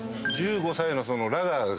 １５歳のラガーが。